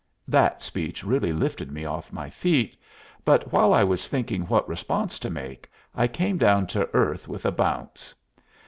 That speech really lifted me off my feet, but while I was thinking what response to make, I came down to earth with a bounce.